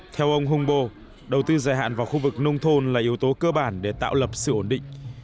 theo ông hombo đầu tư dài hạn vào khu vực nông thôn là yếu tố cơ bản để tạo lập sự ổn định